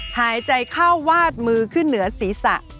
หายใจเข้าวาดมือขึ้นเหนือศีรษะ